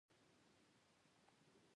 باد و باران پرې شګې او خاورې اړولی دي.